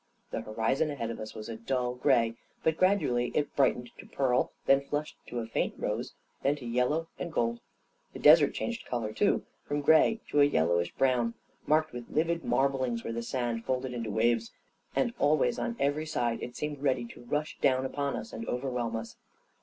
The horizon ahead of us was a dull gray; but gradually it bright ened to pearl, then flushed to a faint rose, then to yellow and gold. The desert changed color, too — from gray to a yellowish brown, marked with livid marblings where the sand folded into waves — and always on every side it seemed ready to rush down upon us and overwhelm us.